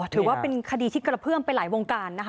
ถือว่าเป็นคดีที่กระเพื่อมไปหลายวงการนะคะ